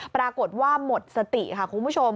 ปรากฏว่าหมดสติค่ะคุณผู้ชม